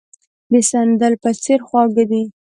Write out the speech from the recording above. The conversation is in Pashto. د سندل په څېر خواږه دي.